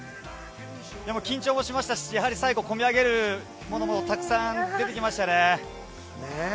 緊張もしましたし、最後、こみ上げるものもたくさん出てきましたね。